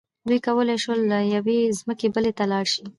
دوی کولی شول له یوې ځمکې بلې ته لاړ شي.